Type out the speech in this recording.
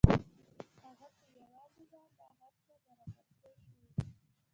هغه په یوازې ځان دا هر څه برابر کړي وو